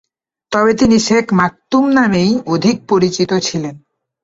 তবে তিনি Sheikh Maktoum নামেই অধিক পরিচিত ছিলেন।